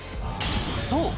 そう！